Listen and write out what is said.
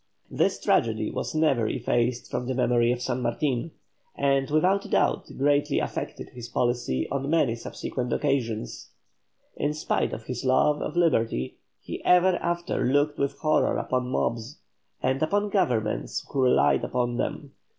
This tragedy was never effaced from the memory of San Martin, and without doubt greatly affected his policy on many subsequent occasions. In spite of his love of liberty he ever after looked with horror upon mobs, and upon governments who relied upon them.